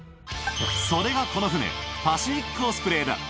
それがこの船、パシフィック・オスプレイだ。